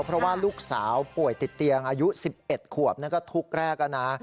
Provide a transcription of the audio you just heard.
เพราะว่าลูกสาวป่วยติดเตียงอายุ๑๑ขวบนั่นก็ทุกข์แรกแล้วนะ